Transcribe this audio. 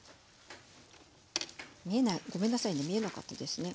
ごめんなさいね見えなかったですね。